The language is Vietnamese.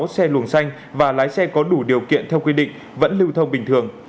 xe luồng xanh và lái xe có đủ điều kiện theo quy định vẫn lưu thông bình thường